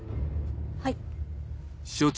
はい。